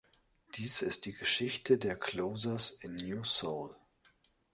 Dies ist die Geschichte der Closers in New Seoul.